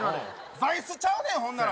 座いすちゃうねん、ほんなら。